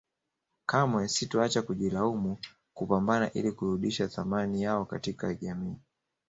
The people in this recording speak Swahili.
Kamwe sitoacha kujilaumu kupambana ili kuludisha thamani yao katika jamii